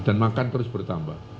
dan makan terus bertambah